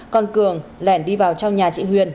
còn cường lèn đi vào trong nhà chị huyền